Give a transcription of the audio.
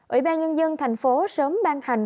ủy ban nhân dân thành phố sớm ban hành